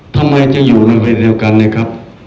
ทำไมจะอยู่ในพื้นที่เดียวกันเนี่ยครับ